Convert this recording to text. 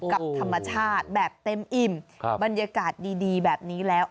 กับธรรมชาติแบบเต็มอิ่มบรรยากาศดีแบบนี้แล้ว